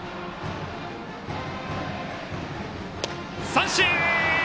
三振！